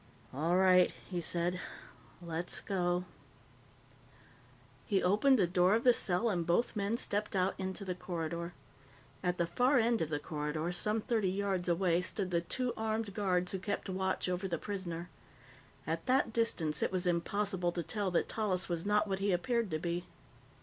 "All right," he said. "Let's go." He opened the door of the cell, and both men stepped out into the corridor. At the far end of the corridor, some thirty yards away, stood the two armed guards who kept watch over the prisoner. At that distance, it was impossible to tell that Tallis was not what he appeared to be.